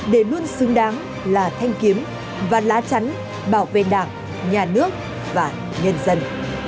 để luôn xứng đáng là thanh kiếm và lá chắn bảo vệ đảng nhà nước và nhân dân